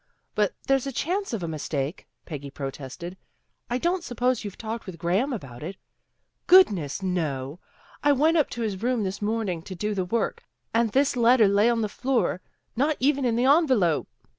But there's a chance of a mistake," Peggy protested, " I don't suppose you've talked with Graham about it? "" Goodness, no! I went up to his room this morning to do the work and this letter lay on the floor, not even in the envelope."